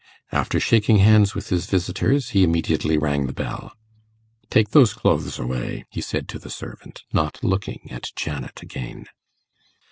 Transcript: After shaking hands with his visitors he immediately rang the bell. 'Take those clothes away,' he said to the servant, not looking at Janet again.